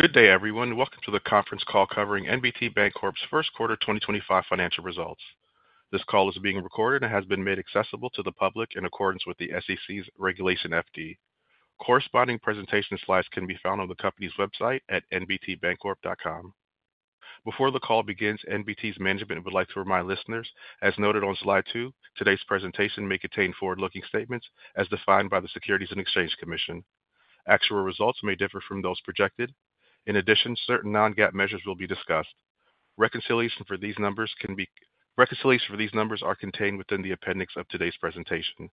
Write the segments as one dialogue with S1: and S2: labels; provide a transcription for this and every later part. S1: Good day, everyone. Welcome to the conference call covering NBT Bancorp's First Quarter 2025 Financial Results. This call is being recorded and has been made accessible to the public in accordance with the SEC's Regulation FD. Corresponding presentation slides can be found on the company's website at nbtbancorp.com. Before the call begins, NBT's management would like to remind listeners, as noted on slide two, today's presentation may contain forward-looking statements as defined by the Securities and Exchange Commission. Actual results may differ from those projected. In addition, certain non-GAAP measures will be discussed. Reconciliations for these numbers are contained within the appendix of today's presentation.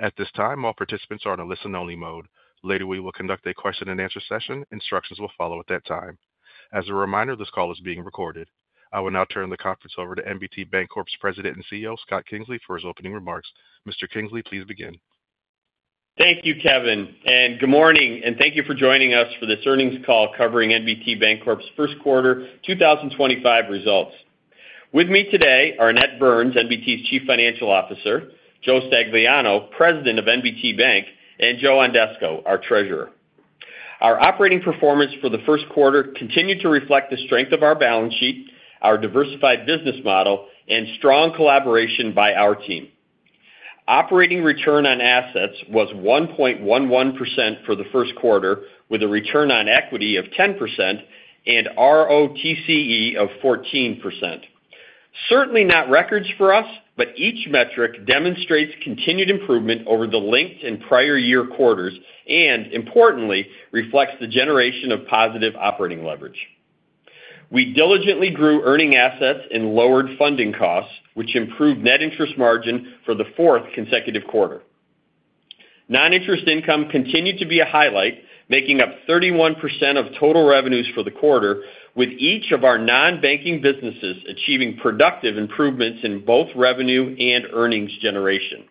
S1: At this time, all participants are in a listen-only mode. Later, we will conduct a question-and-answer session. Instructions will follow at that time. As a reminder, this call is being recorded. I will now turn the conference over to NBT Bancorp's President and CEO, Scott Kingsley, for his opening remarks. Mr. Kingsley, please begin.
S2: Thank you, Kevin. Good morning, and thank you for joining us for this earnings call covering NBT Bancorp's first quarter 2025 results. With me today are Annette Burns, NBT's Chief Financial Officer; Joe Stagliano, President of NBT Bank; and Joe Ondesko, our Treasurer. Our operating performance for the first quarter continued to reflect the strength of our balance sheet, our diversified business model, and strong collaboration by our team. Operating return on assets was 1.11% for the first quarter, with a return on equity of 10% and ROTCE of 14%. Certainly not records for us, but each metric demonstrates continued improvement over the linked and prior year quarters and, importantly, reflects the generation of positive operating leverage. We diligently grew earning assets and lowered funding costs, which improved net interest margin for the fourth consecutive quarter. Non-interest income continued to be a highlight, making up 31% of total revenues for the quarter, with each of our non-banking businesses achieving productive improvements in both revenue and earnings generation.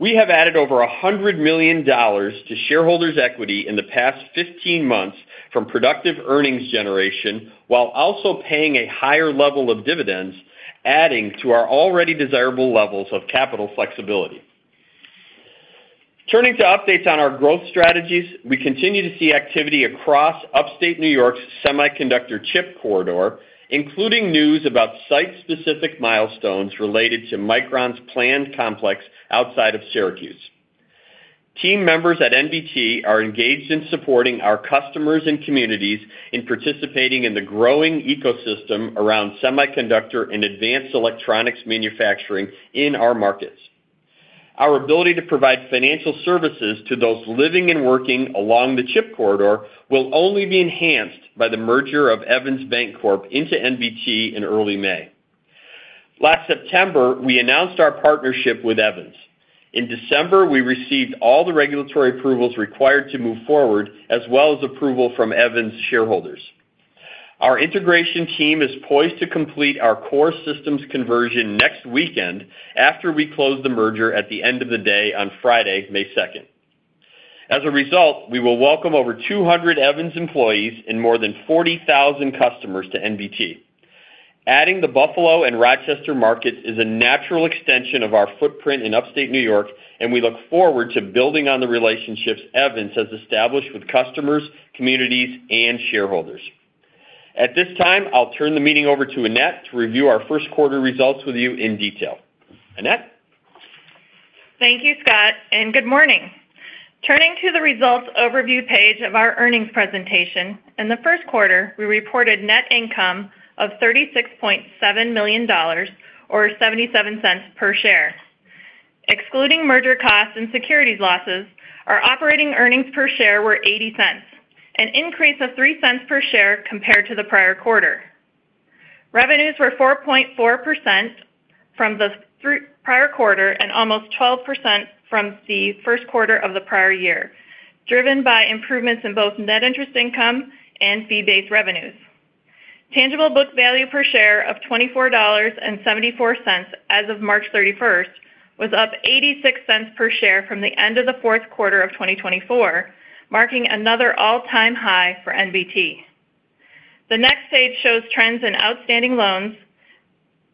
S2: We have added over $100 million to shareholders' equity in the past 15 months from productive earnings generation, while also paying a higher level of dividends, adding to our already desirable levels of capital flexibility. Turning to updates on our growth strategies, we continue to see activity across upstate New York's semiconductor chip corridor, including news about site-specific milestones related to Micron's planned complex outside of Syracuse. Team members at NBT are engaged in supporting our customers and communities in participating in the growing ecosystem around semiconductor and advanced electronics manufacturing in our markets. Our ability to provide financial services to those living and working along the chip corridor will only be enhanced by the merger of Evans Bancorp into NBT in early May. Last September, we announced our partnership with Evans. In December, we received all the regulatory approvals required to move forward, as well as approval from Evans shareholders. Our integration team is poised to complete our core systems conversion next weekend after we close the merger at the end of the day on Friday, May 2. As a result, we will welcome over 200 Evans employees and more than 40,000 customers to NBT. Adding the Buffalo and Rochester markets is a natural extension of our footprint in upstate New York, and we look forward to building on the relationships Evans has established with customers, communities, and shareholders. At this time, I'll turn the meeting over to Annette to review our first quarter results with you in detail. Annette?
S3: Thank you, Scott, and good morning. Turning to the results overview page of our earnings presentation, in the first quarter, we reported net income of $36.7 million, or $0.77 per share. Excluding merger costs and securities losses, our operating earnings per share were $0.80, an increase of $0.03 per share compared to the prior quarter. Revenues were 4.4% from the prior quarter and almost 12% from the first quarter of the prior year, driven by improvements in both net interest income and fee-based revenues. Tangible book value per share of $24.74 as of March 31st was up $0.86 per share from the end of the fourth quarter of 2024, marking another all-time high for NBT. The next page shows trends in outstanding loans.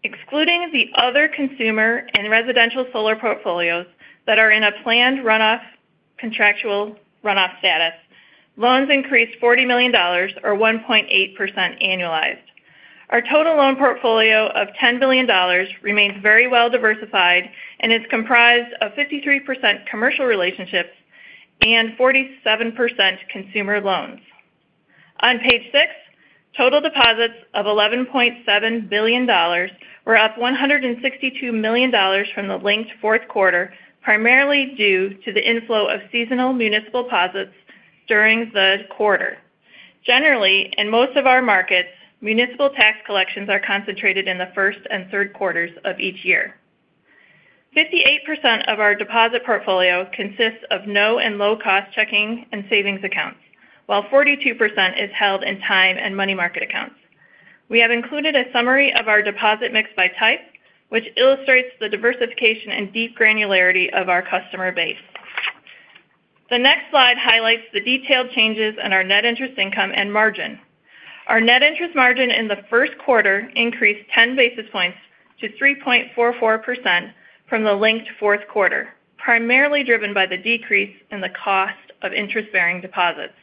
S3: Excluding the other consumer and residential solar portfolios that are in a planned runoff contractual runoff status, loans increased $40 million, or 1.8% annualized. Our total loan portfolio of $10 billion remains very well diversified and is comprised of 53% commercial relationships and 47% consumer loans. On page six, total deposits of $11.7 billion were up $162 million from the linked fourth quarter, primarily due to the inflow of seasonal municipal deposits during the quarter. Generally, in most of our markets, municipal tax collections are concentrated in the first and third quarters of each year. 58% of our deposit portfolio consists of no- and low-cost checking and savings accounts, while 42% is held in time and money market accounts. We have included a summary of our deposit mix by type, which illustrates the diversification and deep granularity of our customer base. The next slide highlights the detailed changes in our net interest income and margin. Our net interest margin in the first quarter increased 10 basis points to 3.44% from the linked fourth quarter, primarily driven by the decrease in the cost of interest-bearing deposits.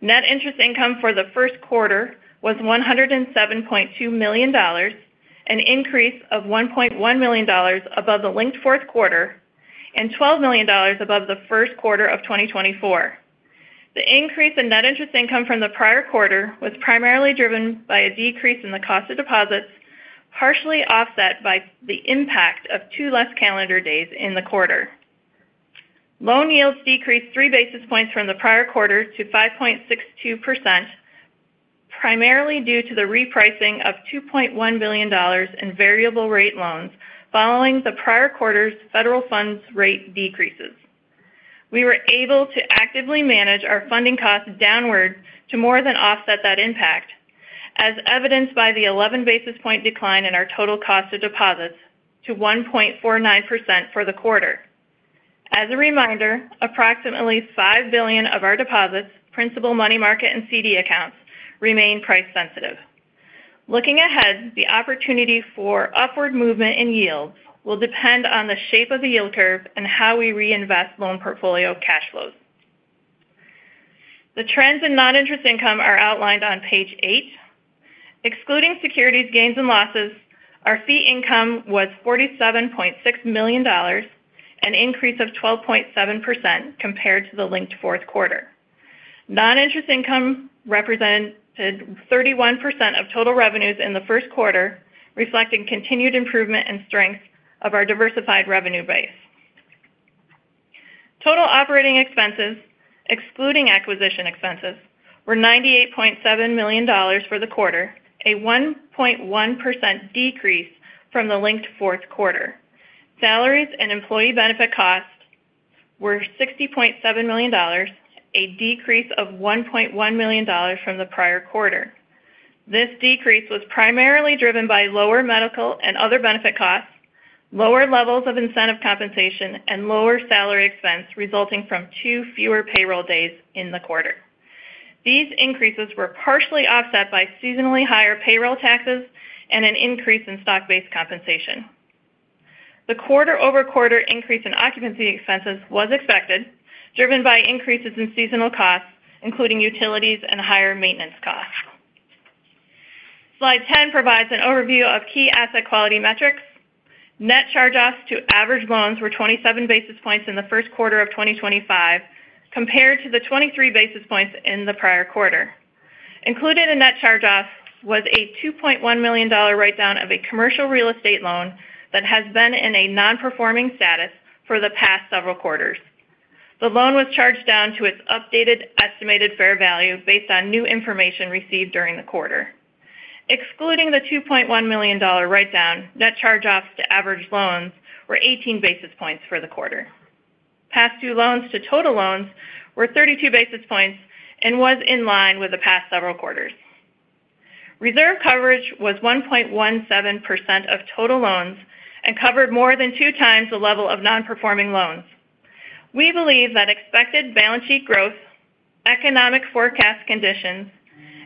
S3: Net interest income for the first quarter was $107.2 million, an increase of $1.1 million above the linked fourth quarter and $12 million above the first quarter of 2024. The increase in net interest income from the prior quarter was primarily driven by a decrease in the cost of deposits, partially offset by the impact of two less calendar days in the quarter. Loan yields decreased three basis points from the prior quarter to 5.62%, primarily due to the repricing of $2.1 billion in variable-rate loans following the prior quarter's federal funds rate decreases. We were able to actively manage our funding costs downward to more than offset that impact, as evidenced by the 11 basis point decline in our total cost of deposits to 1.49% for the quarter. As a reminder, approximately $5 billion of our deposits, principal money market, and CD accounts remain price-sensitive. Looking ahead, the opportunity for upward movement in yields will depend on the shape of the yield curve and how we reinvest loan portfolio cash flows. The trends in non-interest income are outlined on page eight. Excluding securities gains and losses, our fee income was $47.6 million, an increase of 12.7% compared to the linked fourth quarter. Non-interest income represented 31% of total revenues in the first quarter, reflecting continued improvement and strength of our diversified revenue base. Total operating expenses, excluding acquisition expenses, were $98.7 million for the quarter, a 1.1% decrease from the linked fourth quarter. Salaries and employee benefit costs were $60.7 million, a decrease of $1.1 million from the prior quarter. This decrease was primarily driven by lower medical and other benefit costs, lower levels of incentive compensation, and lower salary expense resulting from two fewer payroll days in the quarter. These increases were partially offset by seasonally higher payroll taxes and an increase in stock-based compensation. The quarter-over-quarter increase in occupancy expenses was expected, driven by increases in seasonal costs, including utilities and higher maintenance costs. Slide 10 provides an overview of key asset quality metrics. Net charge-offs to average loans were 27 basis points in the first quarter of 2025, compared to the 23 basis points in the prior quarter. Included in net charge-offs was a $2.1 million write-down of a commercial real estate loan that has been in a non-performing status for the past several quarters. The loan was charged down to its updated estimated fair value based on new information received during the quarter. Excluding the $2.1 million write-down, net charge-offs to average loans were 18 basis points for the quarter. Past due loans to total loans were 32 basis points and was in line with the past several quarters. Reserve coverage was 1.17% of total loans and covered more than two times the level of non-performing loans. We believe that expected balance sheet growth, economic forecast conditions,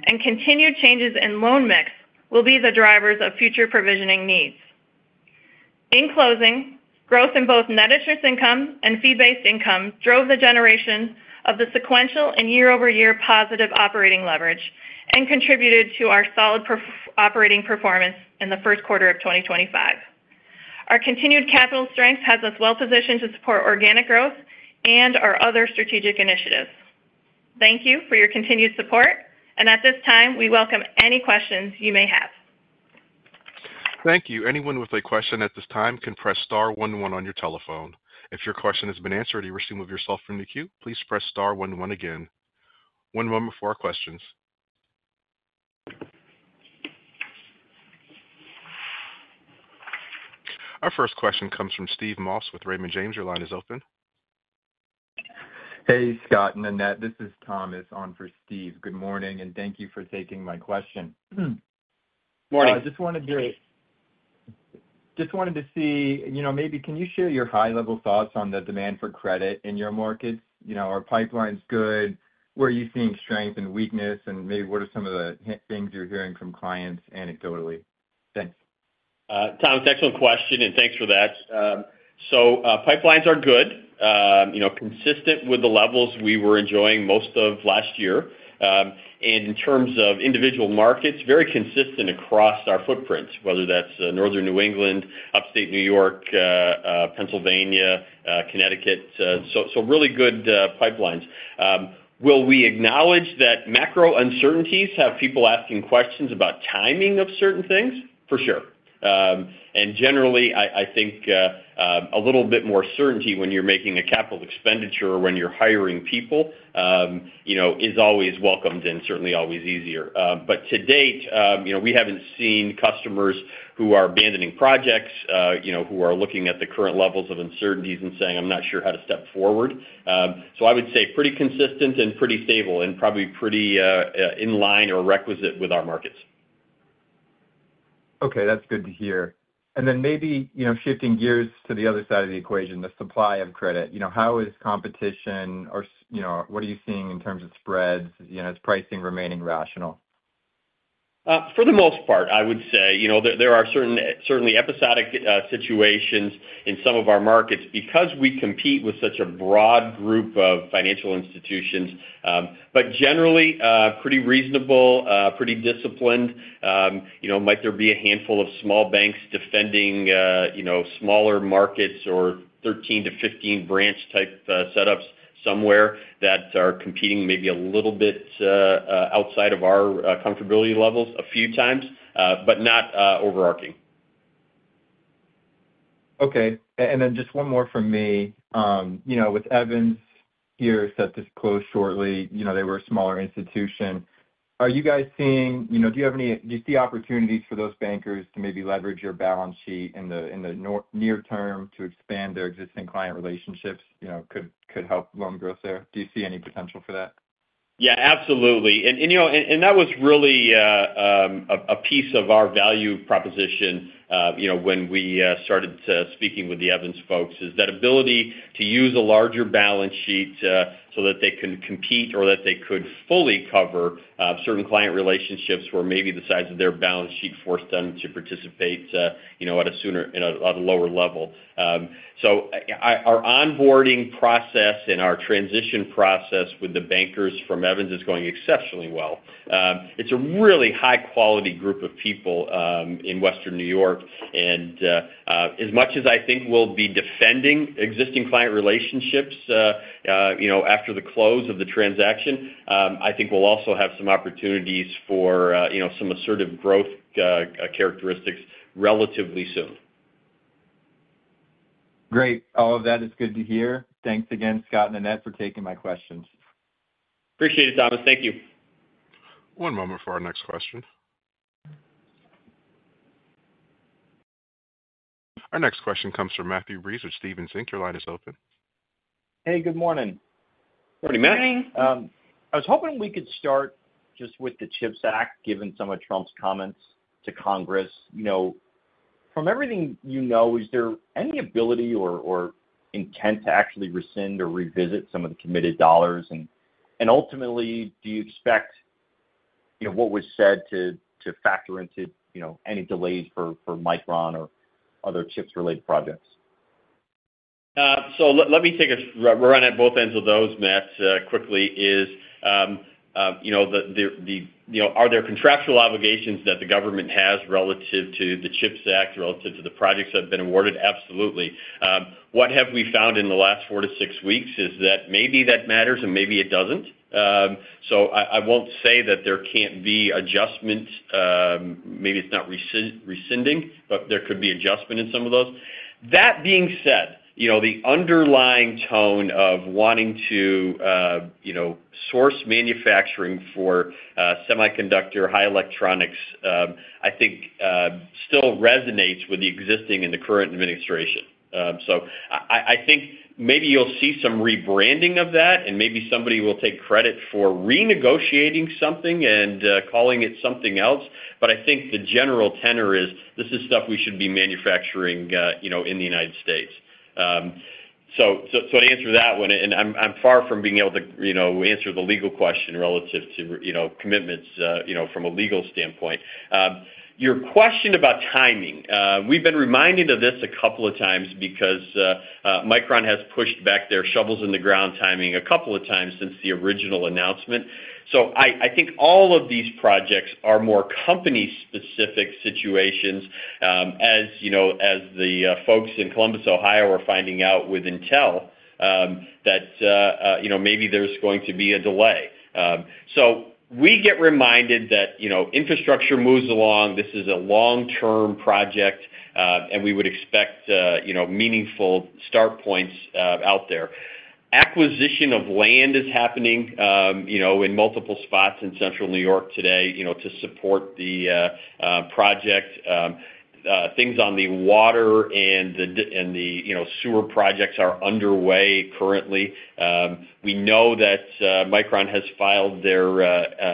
S3: and continued changes in loan mix will be the drivers of future provisioning needs. In closing, growth in both net interest income and fee-based income drove the generation of the sequential and year-over-year positive operating leverage and contributed to our solid operating performance in the first quarter of 2025. Our continued capital strength has us well-positioned to support organic growth and our other strategic initiatives. Thank you for your continued support, and at this time, we welcome any questions you may have.
S1: Thank you. Anyone with a question at this time can press star one one on your telephone. If your question has been answered or you wish to remove yourself from the queue, please press star one one again. One moment for our questions. Our first question comes from Steve Moss with Raymond James. Your line is open.
S4: Hey, Scott and Annette. This is Thomas on for Steve. Good morning, and thank you for taking my question.
S2: Morning.
S4: I just wanted to see, you know, maybe can you share your high-level thoughts on the demand for credit in your markets? Are pipelines good? Where are you seeing strength and weakness? Maybe what are some of the things you're hearing from clients anecdotally? Thanks.
S2: Thomas, excellent question, and thanks for that. Pipelines are good, you know, consistent with the levels we were enjoying most of last year. In terms of individual markets, very consistent across our footprint, whether that's northern New England, upstate New York, Pennsylvania, Connecticut. Really good pipelines. We acknowledge that macro uncertainties have people asking questions about timing of certain things, for sure. Generally, I think a little bit more certainty when you're making a capital expenditure or when you're hiring people, you know, is always welcomed and certainly always easier. To date, you know, we haven't seen customers who are abandoning projects, you know, who are looking at the current levels of uncertainties and saying, "I'm not sure how to step forward." I would say pretty consistent and pretty stable and probably pretty in line or requisite with our markets.
S4: Okay, that's good to hear. Maybe, you know, shifting gears to the other side of the equation, the supply of credit, you know, how is competition or, you know, what are you seeing in terms of spreads, you know, is pricing remaining rational?
S2: For the most part, I would say, you know, there are certainly episodic situations in some of our markets because we compete with such a broad group of financial institutions. Generally, pretty reasonable, pretty disciplined. You know, might there be a handful of small banks defending, you know, smaller markets or 13-15 branch-type setups somewhere that are competing maybe a little bit outside of our comfortability levels a few times, but not overarching.
S4: Okay. And then just one more from me. You know, with Evans here set to close shortly, you know, they were a smaller institution. Are you guys seeing, you know, do you have any, do you see opportunities for those bankers to maybe leverage your balance sheet in the near term to expand their existing client relationships, you know, could help loan growth there? Do you see any potential for that?
S2: Yeah, absolutely. You know, that was really a piece of our value proposition, you know, when we started speaking with the Evans folks, is that ability to use a larger balance sheet so that they can compete or that they could fully cover certain client relationships where maybe the size of their balance sheet forced them to participate, you know, at a sooner, at a lower level. Our onboarding process and our transition process with the bankers from Evans is going exceptionally well. It's a really high-quality group of people in western New York. As much as I think we'll be defending existing client relationships, you know, after the close of the transaction, I think we'll also have some opportunities for, you know, some assertive growth characteristics relatively soon.
S4: Great. All of that is good to hear. Thanks again, Scott and Annette, for taking my questions.
S2: Appreciate it, Thomas. Thank you.
S1: One moment for our next question. Our next question comes from Matthew Breese with Stephens Inc. Your line is open.
S5: Hey, good morning.
S2: Morning, Matt.
S5: Morning. I was hoping we could start just with the CHIPS Act, given some of Trump's comments to Congress. You know, from everything you know, is there any ability or intent to actually rescind or revisit some of the committed dollars? You know, do you expect, you know, what was said to factor into, you know, any delays for Micron or other chips-related projects?
S2: Let me take a run at both ends of those, Matt, quickly. You know, are there contractual obligations that the government has relative to the CHIPs Act, relative to the projects that have been awarded? Absolutely. What have we found in the last four to six weeks is that maybe that matters and maybe it does not. I will not say that there cannot be adjustments. Maybe it is not rescinding, but there could be adjustment in some of those. That being said, you know, the underlying tone of wanting to, you know, source manufacturing for semiconductor, high electronics, I think still resonates with the existing and the current administration. I think maybe you will see some rebranding of that, and maybe somebody will take credit for renegotiating something and calling it something else. I think the general tenor is this is stuff we should be manufacturing, you know, in the United States. To answer that one, and I'm far from being able to, you know, answer the legal question relative to, you know, commitments, you know, from a legal standpoint. Your question about timing, we've been reminded of this a couple of times because Micron has pushed back their shovels in the ground timing a couple of times since the original announcement. I think all of these projects are more company-specific situations, as, you know, as the folks in Columbus, Ohio, are finding out with Intel that, you know, maybe there's going to be a delay. We get reminded that, you know, infrastructure moves along. This is a long-term project, and we would expect, you know, meaningful start points out there. Acquisition of land is happening, you know, in multiple spots in central New York today, you know, to support the project. Things on the water and the, you know, sewer projects are underway currently. We know that Micron has filed their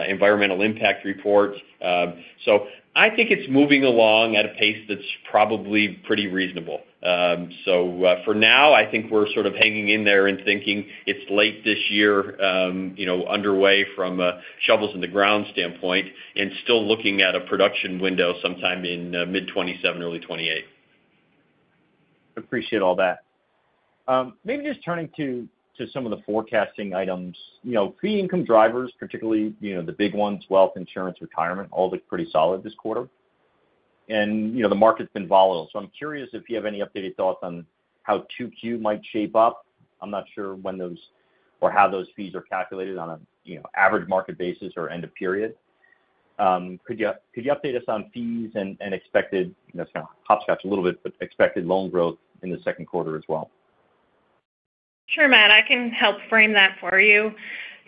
S2: environmental impact report. I think it's moving along at a pace that's probably pretty reasonable. For now, I think we're sort of hanging in there and thinking it's late this year, you know, underway from a shovels in the ground standpoint and still looking at a production window sometime in mid-2027, early 2028.
S5: Appreciate all that. Maybe just turning to some of the forecasting items, you know, fee income drivers, particularly, you know, the big ones, wealth, insurance, retirement, all look pretty solid this quarter. You know, the market's been volatile. I'm curious if you have any updated thoughts on how 2Q might shape up. I'm not sure when those or how those fees are calculated on an, you know, average market basis or end of period. Could you update us on fees and expected, you know, kind of hopscotch a little bit, but expected loan growth in the second quarter as well?
S3: Sure, Matt. I can help frame that for you.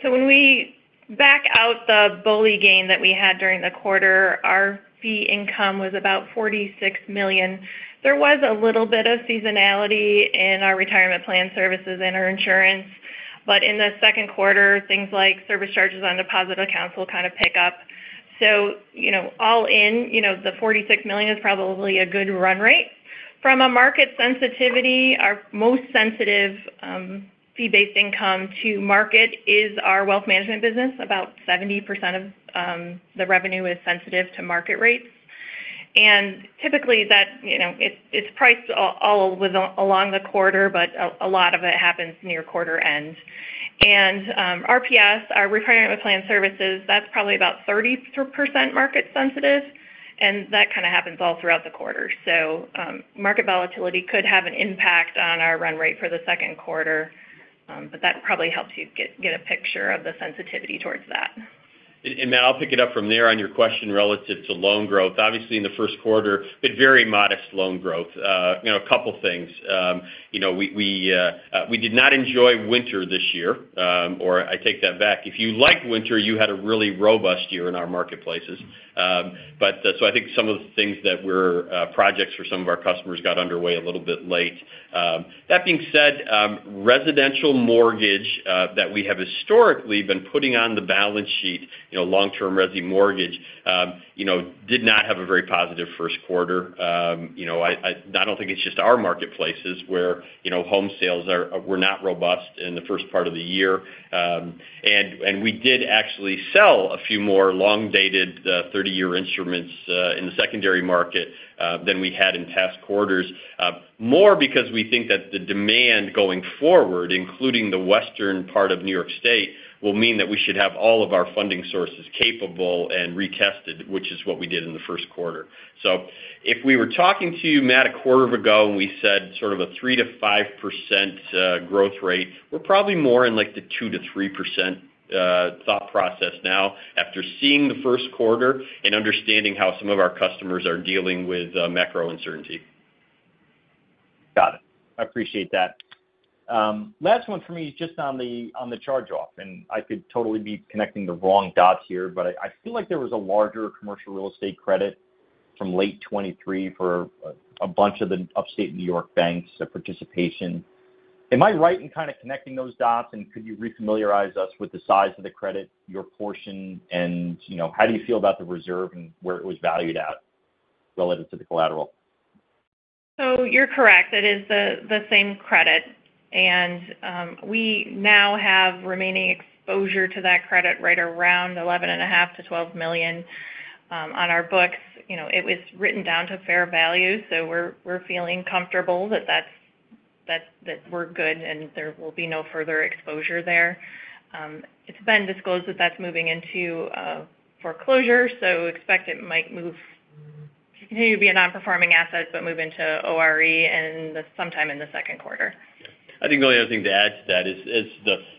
S3: When we back out the BOLI gain that we had during the quarter, our fee income was about $46 million. There was a little bit of seasonality in our retirement plan services and our insurance. In the second quarter, things like service charges on deposit accounts will kind of pick up. You know, all in, you know, the $46 million is probably a good run rate. From a market sensitivity, our most sensitive fee-based income to market is our wealth management business. About 70% of the revenue is sensitive to market rates. Typically that, you know, it's priced all along the quarter, but a lot of it happens near quarter end. RPS, our retirement plan services, that's probably about 30% market sensitive. That kind of happens all throughout the quarter. Market volatility could have an impact on our run rate for the second quarter. That probably helps you get a picture of the sensitivity towards that.
S2: Matt, I'll pick it up from there on your question relative to loan growth. Obviously, in the first quarter, it's been very modest loan growth. You know, a couple of things. You know, we did not enjoy winter this year, or I take that back. If you liked winter, you had a really robust year in our marketplaces. I think some of the things that were projects for some of our customers got underway a little bit late. That being said, residential mortgage that we have historically been putting on the balance sheet, you know, long-term resi mortgage, you know, did not have a very positive first quarter. You know, I don't think it's just our marketplaces where, you know, home sales were not robust in the first part of the year. We did actually sell a few more long-dated 30-year instruments in the secondary market than we had in past quarters, more because we think that the demand going forward, including the western part of New York State, will mean that we should have all of our funding sources capable and retested, which is what we did in the first quarter. If we were talking to you, Matt, a quarter ago, and we said sort of a 3-5% growth rate, we're probably more in like the 2-3% thought process now after seeing the first quarter and understanding how some of our customers are dealing with macro uncertainty.
S5: Got it. I appreciate that. Last one for me is just on the charge-off. I could totally be connecting the wrong dots here, but I feel like there was a larger commercial real estate credit from late 2023 for a bunch of the upstate New York banks' participation. Am I right in kind of connecting those dots? Could you refamiliarize us with the size of the credit, your portion, and, you know, how do you feel about the reserve and where it was valued at relative to the collateral?
S3: You're correct. It is the same credit. We now have remaining exposure to that credit right around $11.5 million-$12 million on our books. You know, it was written down to fair value. We're feeling comfortable that we're good and there will be no further exposure there. It's been disclosed that that's moving into foreclosure. Expect it might continue to be a non-performing asset, but move into ORE sometime in the second quarter.
S2: I think the only other thing to add to that is,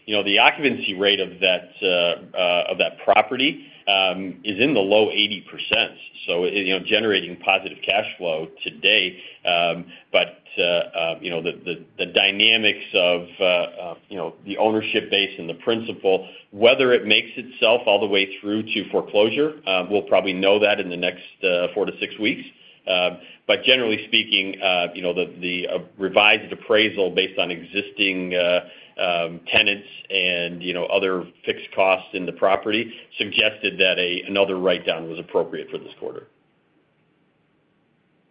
S2: you know, the occupancy rate of that property is in the low 80%. So, you know, generating positive cash flow today. You know, the dynamics of, you know, the ownership base and the principle, whether it makes itself all the way through to foreclosure, we'll probably know that in the next four to six weeks. Generally speaking, you know, the revised appraisal based on existing tenants and, you know, other fixed costs in the property suggested that another write-down was appropriate for this quarter.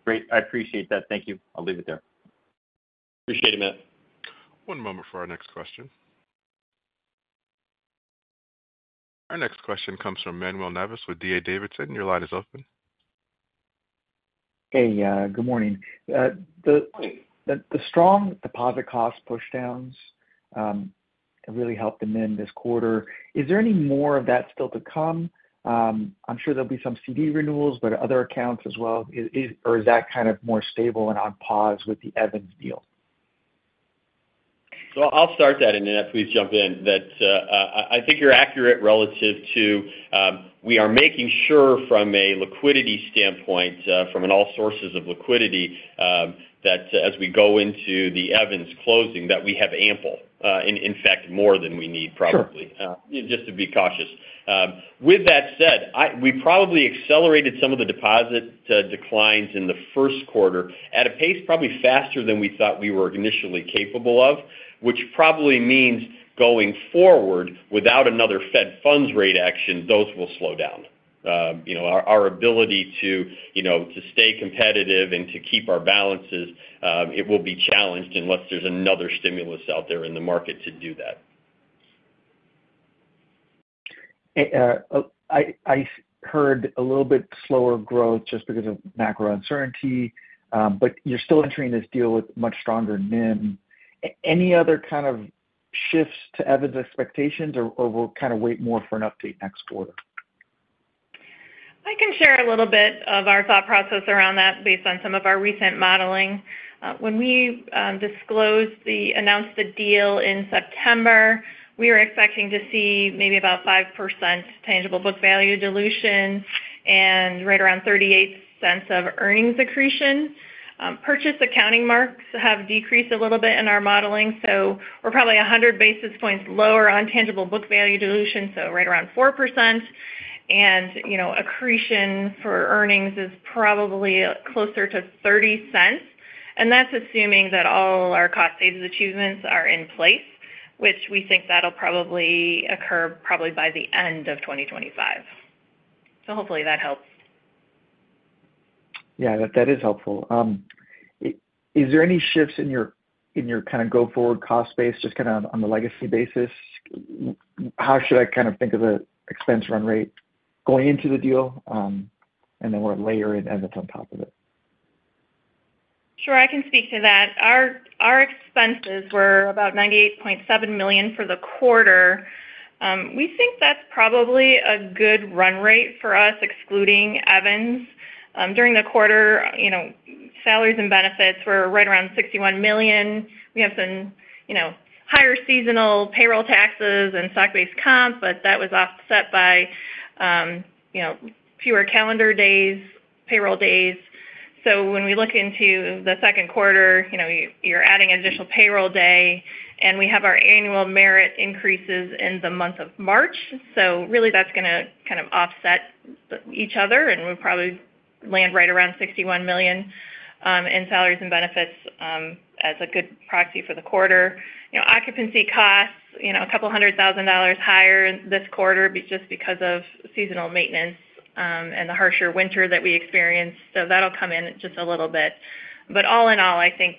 S5: Great. I appreciate that. Thank you. I'll leave it there.
S2: Appreciate it, Matt.
S1: One moment for our next question. Our next question comes from Manuel Navas with DA Davidson. Your line is open.
S6: Hey, good morning. The strong deposit cost pushdowns really helped them in this quarter. Is there any more of that still to come? I'm sure there'll be some CD renewals, but other accounts as well. Is that kind of more stable and on pause with the Evans deal?
S2: I'll start that, and then please jump in. I think you're accurate relative to we are making sure from a liquidity standpoint, from all sources of liquidity, that as we go into the Evans closing, that we have ample. In fact, more than we need probably, just to be cautious. With that said, we probably accelerated some of the deposit declines in the first quarter at a pace probably faster than we thought we were initially capable of, which probably means going forward without another Fed funds rate action, those will slow down. You know, our ability to, you know, to stay competitive and to keep our balances, it will be challenged unless there's another stimulus out there in the market to do that.
S6: I heard a little bit slower growth just because of macro uncertainty. But you're still entering this deal with much stronger NIM. Any other kind of shifts to Evans expectations, or we'll kind of wait more for an update next quarter?
S3: I can share a little bit of our thought process around that based on some of our recent modeling. When we disclosed the announced the deal in September, we were expecting to see maybe about 5% tangible book value dilution and right around $0.38 of earnings accretion. Purchase accounting marks have decreased a little bit in our modeling. We are probably 100 basis points lower on tangible book value dilution, so right around 4%. You know, accretion for earnings is probably closer to $0.30. That is assuming that all our cost savings achievements are in place, which we think that will probably occur probably by the end of 2025. Hopefully that helps.
S6: Yeah, that is helpful. Is there any shifts in your kind of go-forward cost base, just kind of on the legacy basis? How should I kind of think of the expense run rate going into the deal? Then we'll layer in Evans on top of it.
S3: Sure, I can speak to that. Our expenses were about $98.7 million for the quarter. We think that's probably a good run rate for us, excluding Evans. During the quarter, you know, salaries and benefits were right around $61 million. We have some, you know, higher seasonal payroll taxes and stock-based comp, but that was offset by, you know, fewer calendar days, payroll days. When we look into the second quarter, you know, you're adding an additional payroll day, and we have our annual merit increases in the month of March. Really, that's going to kind of offset each other. We'll probably land right around $61 million in salaries and benefits as a good proxy for the quarter. You know, occupancy costs, you know, a couple hundred thousand dollars higher this quarter just because of seasonal maintenance and the harsher winter that we experienced. That'll come in just a little bit. All in all, I think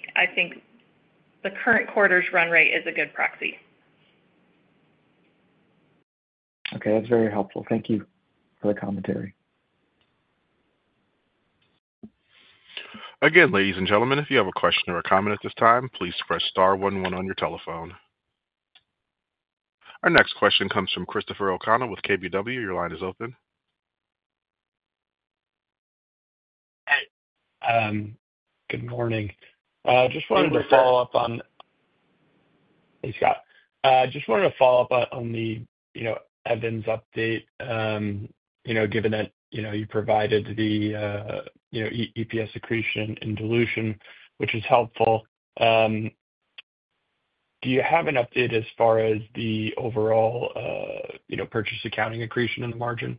S3: the current quarter's run rate is a good proxy.
S6: Okay, that's very helpful. Thank you for the commentary.
S1: Again, ladies and gentlemen, if you have a question or a comment at this time, please press star 11 on your telephone. Our next question comes from Christopher O'Connell with KBW. Your line is open.
S7: Hey. Good morning. Just wanted to follow up on. Hey, Scott. Just wanted to follow up on the, you know, Evans update, you know, given that, you know, you provided the, you know, EPS accretion and dilution, which is helpful. Do you have an update as far as the overall, you know, purchase accounting accretion and the margin?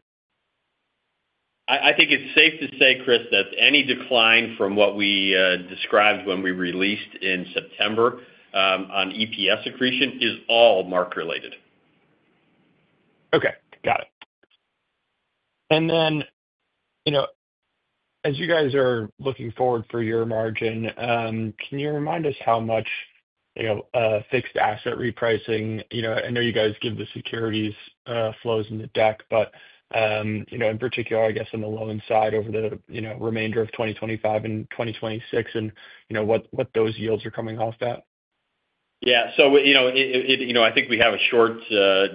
S2: I think it's safe to say, Chris, that any decline from what we described when we released in September on EPS accretion is all market-related.
S7: Okay, got it. You know, as you guys are looking forward for your margin, can you remind us how much, you know, fixed asset repricing, you know, I know you guys give the securities flows in the deck, but, you know, in particular, I guess on the loan side over the, you know, remainder of 2025 and 2026 and, you know, what those yields are coming off that?
S2: Yeah. You know, I think we have a short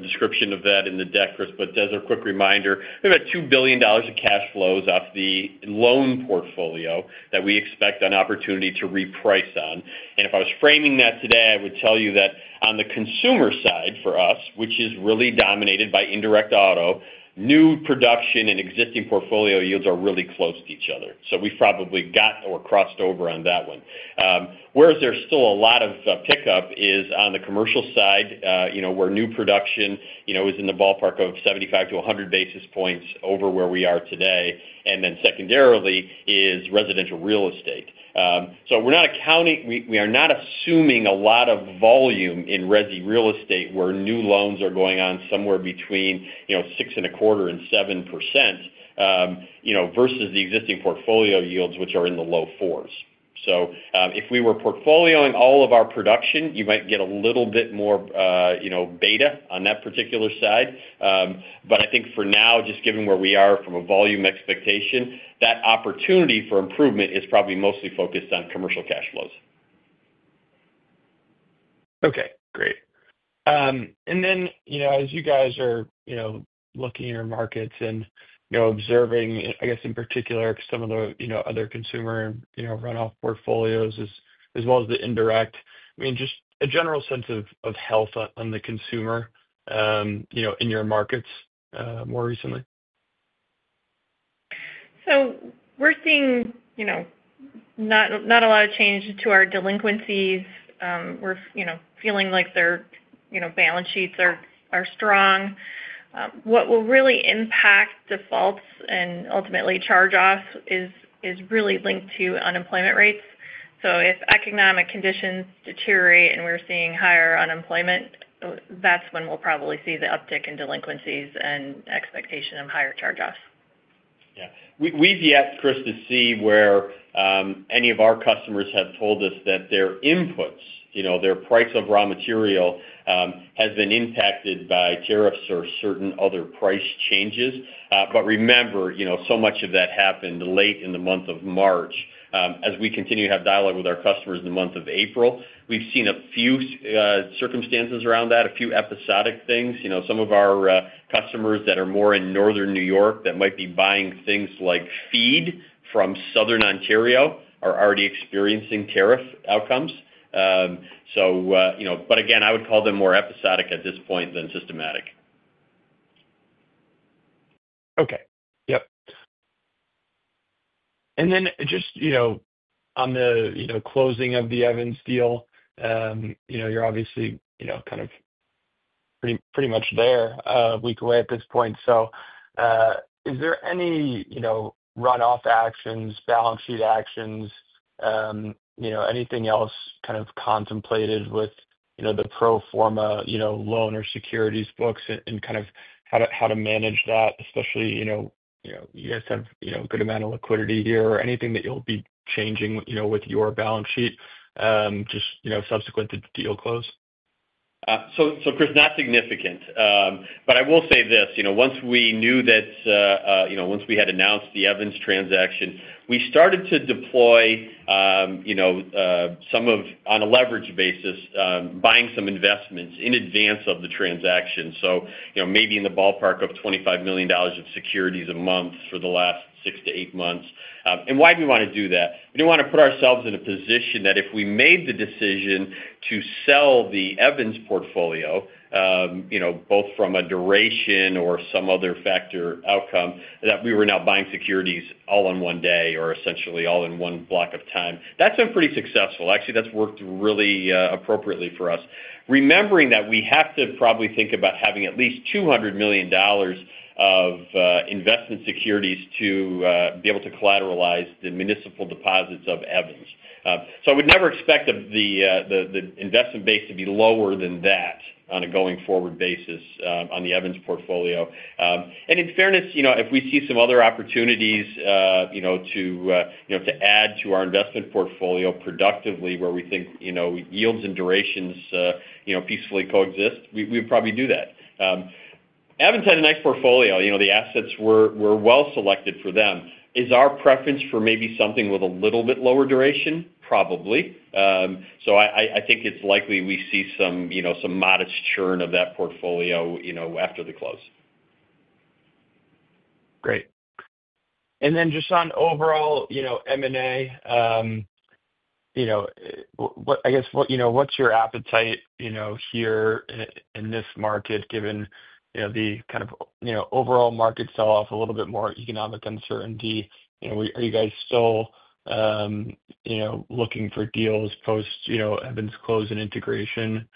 S2: description of that in the deck, Chris, but as a quick reminder, we have about $2 billion of cash flows off the loan portfolio that we expect an opportunity to reprice on. If I was framing that today, I would tell you that on the consumer side for us, which is really dominated by indirect auto, new production and existing portfolio yields are really close to each other. So we've probably got or crossed over on that one. Whereas where there's still a lot of pickup is on the commercial side, you know, where new production is in the ballpark of 75-100 basis points over where we are today. Secondarily is residential real estate. We're not accounting, we are not assuming a lot of volume in resi real estate where new loans are going on somewhere between, you know, 6.25% and 7%, you know, versus the existing portfolio yields, which are in the low fourth. If we were portfolio all of our production, you might get a little bit more, you know, beta on that particular side. I think for now, just given where we are from a volume expectation, that opportunity for improvement is probably mostly focused on commercial cash flows.
S7: Okay, great. You know, as you guys are, you know, looking at your markets and, you know, observing, I guess in particular, some of the, you know, other consumer, you know, runoff portfolios as well as the indirect, I mean, just a general sense of health on the consumer, you know, in your markets more recently?
S3: We're seeing, you know, not a lot of change to our delinquencies. We're, you know, feeling like their, you know, balance sheets are strong. What will really impact defaults and ultimately charge-offs is really linked to unemployment rates. If economic conditions deteriorate and we're seeing higher unemployment, that's when we'll probably see the uptick in delinquencies and expectation of higher charge-offs.
S2: Yeah. We've yet for us to see where any of our customers have told us that their inputs, you know, their price of raw material has been impacted by tariffs or certain other price changes. Remember, you know, so much of that happened late in the month of March. As we continue to have dialogue with our customers in the month of April, we've seen a few circumstances around that, a few episodic things. You know, some of our customers that are more in northern New York that might be buying things like feed from southern Ontario are already experiencing tariff outcomes. You know, again, I would call them more episodic at this point than systematic.
S7: Okay. Yep. And then just, you know, on the, you know, closing of the Evans deal, you know, you're obviously, you know, kind of pretty much there a week away at this point. Is there any, you know, runoff actions, balance sheet actions, you know, anything else kind of contemplated with, you know, the pro forma, you know, loan or securities books and kind of how to manage that, especially, you know, you guys have, you know, a good amount of liquidity here or anything that you'll be changing, you know, with your balance sheet just, you know, subsequent to deal close?
S2: Chris, not significant. I will say this, you know, once we knew that, you know, once we had announced the Evans transaction, we started to deploy, you know, some of on a leverage basis, buying some investments in advance of the transaction. You know, maybe in the ballpark of $25 million of securities a month for the last six to eight months. Why do we want to do that? We do not want to put ourselves in a position that if we made the decision to sell the Evans portfolio, you know, both from a duration or some other factor outcome, that we were now buying securities all in one day or essentially all in one block of time. That has been pretty successful. Actually, that has worked really appropriately for us. Remembering that we have to probably think about having at least $200 million of investment securities to be able to collateralize the municipal deposits of Evans. I would never expect the investment base to be lower than that on a going forward basis on the Evans portfolio. In fairness, you know, if we see some other opportunities, you know, to, you know, to add to our investment portfolio productively where we think, you know, yields and durations, you know, peacefully coexist, we would probably do that. Evans had a nice portfolio. You know, the assets were well selected for them. Is our preference for maybe something with a little bit lower duration? Probably. I think it's likely we see some, you know, some modest churn of that portfolio, you know, after the close.
S7: Great. Just on overall, you know, M&A, I guess, you know, what's your appetite, you know, here in this market given, you know, the kind of, you know, overall market sell-off, a little bit more economic uncertainty? You know, are you guys still, you know, looking for deals post, you know, Evans close and integration?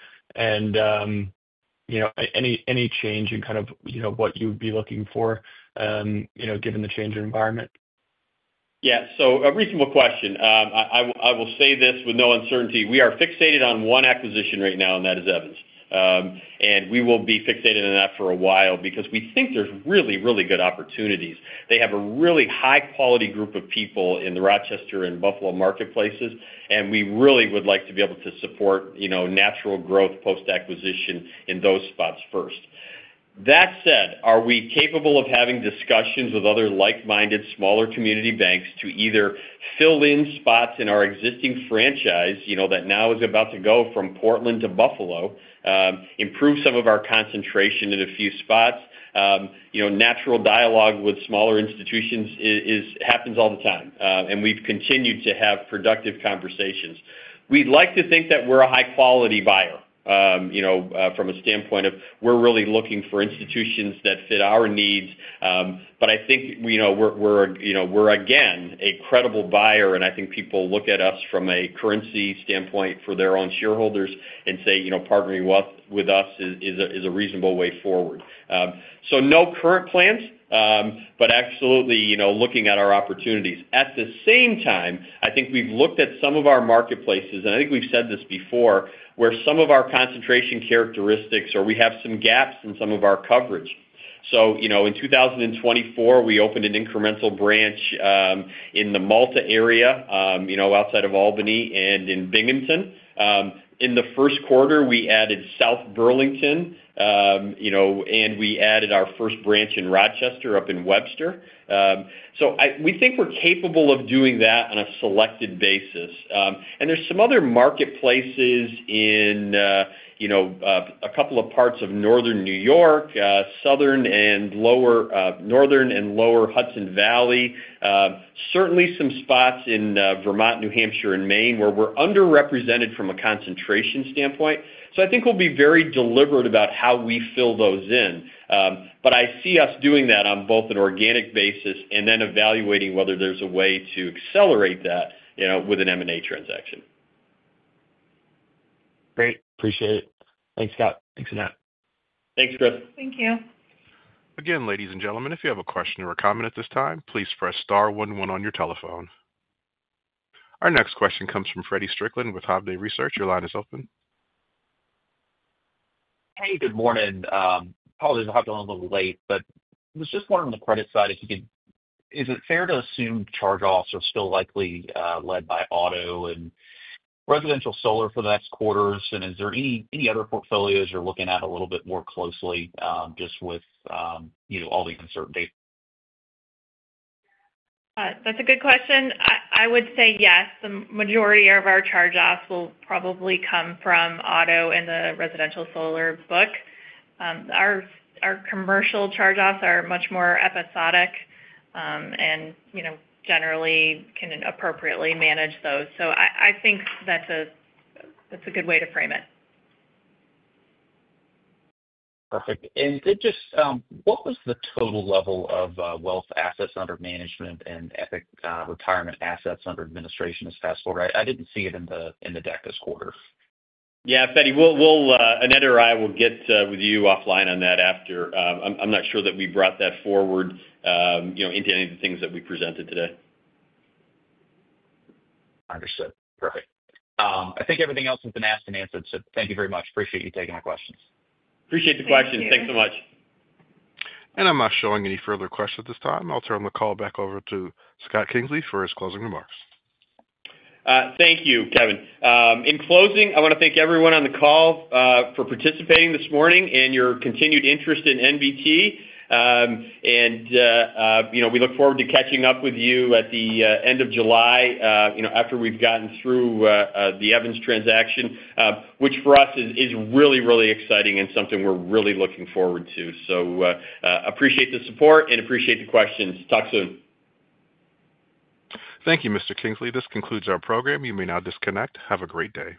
S7: You know, any change in kind of, you know, what you would be looking for, you know, given the change in environment?
S2: Yeah. A reasonable question. I will say this with no uncertainty. We are fixated on one acquisition right now, and that is Evans. We will be fixated on that for a while because we think there's really, really good opportunities. They have a really high-quality group of people in the Rochester and Buffalo marketplaces. We really would like to be able to support, you know, natural growth post-acquisition in those spots first. That said, are we capable of having discussions with other like-minded smaller community banks to either fill in spots in our existing franchise, you know, that now is about to go from Portland to Buffalo, improve some of our concentration in a few spots? You know, natural dialogue with smaller institutions happens all the time. We've continued to have productive conversations. We'd like to think that we're a high-quality buyer, you know, from a standpoint of we're really looking for institutions that fit our needs. I think, you know, we're, you know, we're again a credible buyer. I think people look at us from a currency standpoint for their own shareholders and say, you know, partnering with us is a reasonable way forward. No current plans, but absolutely, you know, looking at our opportunities. At the same time, I think we've looked at some of our marketplaces, and I think we've said this before, where some of our concentration characteristics or we have some gaps in some of our coverage. You know, in 2024, we opened an incremental branch in the Malta area, you know, outside of Albany and in Binghamton. In the first quarter, we added South Burlington, you know, and we added our first branch in Rochester up in Webster. We think we're capable of doing that on a selected basis. There are some other marketplaces in, you know, a couple of parts of northern New York, southern and lower northern and lower Hudson Valley, certainly some spots in Vermont, New Hampshire, and Maine where we're underrepresented from a concentration standpoint. I think we'll be very deliberate about how we fill those in. I see us doing that on both an organic basis and then evaluating whether there's a way to accelerate that, you know, with an M&A transaction.
S7: Great. Appreciate it. Thanks, Scott. Thanks for that.
S2: Thanks, Chris.
S3: Thank you.
S1: Again, ladies and gentlemen, if you have a question or a comment at this time, please press star 11 on your telephone. Our next question comes from Feddie Strickland with Hovde Research. Your line is open.
S8: Hey, good morning. Apologies for hopping on a little late, but I was just wondering on the credit side if you could, is it fair to assume charge-offs are still likely led by auto and residential solar for the next quarters? Is there any other portfolios you're looking at a little bit more closely just with, you know, all the uncertainty?
S3: That's a good question. I would say yes. The majority of our charge-offs will probably come from auto and the residential solar book. Our commercial charge-offs are much more episodic and, you know, generally can appropriately manage those. I think that's a good way to frame it.
S8: Perfect. Just what was the total level of wealth assets under management and EPIC Retirement Plan Services assets under administration as of fast forward? I did not see it in the deck this quarter.
S2: Yeah, Feddie, Annette or I will get with you offline on that after. I'm not sure that we brought that forward, you know, into any of the things that we presented today.
S8: Understood. Perfect. I think everything else has been asked and answered, so thank you very much. Appreciate you taking my questions.
S2: Appreciate the questions. Thanks so much.
S1: I'm not showing any further questions at this time. I'll turn the call back over to Scott Kingsley for his closing remarks.
S2: Thank you, Kevin. In closing, I want to thank everyone on the call for participating this morning and your continued interest in NBT. You know, we look forward to catching up with you at the end of July, you know, after we've gotten through the Evans transaction, which for us is really, really exciting and something we're really looking forward to. Appreciate the support and appreciate the questions. Talk soon.
S1: Thank you, Mr. Kingsley. This concludes our program. You may now disconnect. Have a great day.